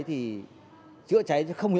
thì chữa cháy nó không hiểu